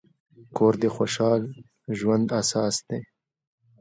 کور د خوشحال ژوند اساس دی.